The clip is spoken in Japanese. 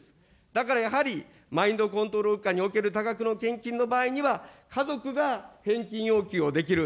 だからやはり、マインドコントロール下における多額の献金の場合には、家族が返金要求をできる。